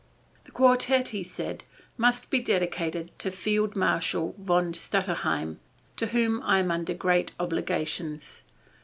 "The Quartet," he said, "must be dedicated to Field marshal von Stutterheim, to whom I am under great obligations.